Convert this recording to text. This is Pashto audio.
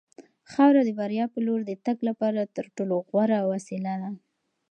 خاوره د بریا په لور د تګ لپاره تر ټولو غوره وسیله شوه.